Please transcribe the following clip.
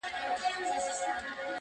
• خلګ راغله و قاضي ته په فریاد سوه..